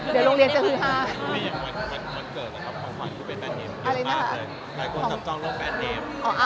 ของขวัญให้ช่วยไปต้านเหนะ